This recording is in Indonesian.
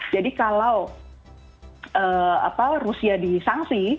jadi kalau rusia disangsi